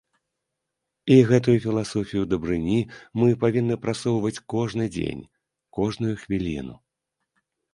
І гэтую філасофію дабрыні мы павінны прасоўваць кожны дзень, кожную хвіліну.